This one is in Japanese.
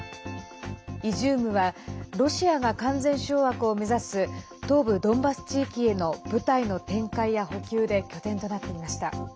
イジュームはロシアが完全掌握を目指す東部ドンバス地域への部隊の展開や補給で拠点となっていました。